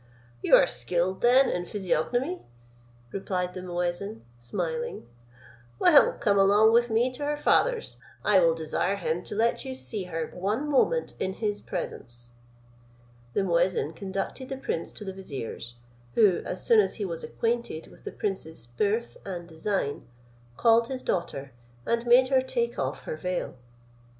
"You are skilled then in physiognomy?" replied the muezin, smiling. "Well, come along with me to her father's: I will desire him to let you see her one moment in his presence." The muezin conducted the prince to the vizier's; who, as soon as he was acquainted with the prince's birth and design, called his daughter, and made her take off her veil.